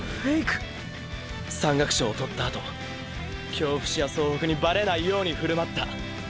⁉山岳賞をとったあと京伏や総北にバレないようにふるまった。